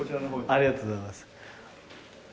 ありがとうございます。